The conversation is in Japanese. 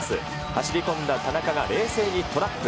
走り込んだ田中が冷静にトラップ。